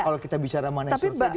kalau kita bicara manajur